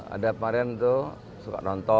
ada kemarin tuh suka nonton